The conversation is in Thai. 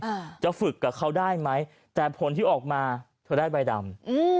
อ่าจะฝึกกับเขาได้ไหมแต่ผลที่ออกมาเธอได้ใบดำอืม